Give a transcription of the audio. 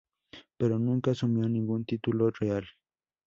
Pero nunca asumió ningún título real.